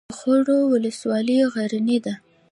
د خروار ولسوالۍ غرنۍ ده